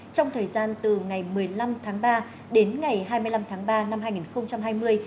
trong thời gian từ ngày một mươi năm tháng ba đến ngày hai mươi năm tháng ba năm hai nghìn hai mươi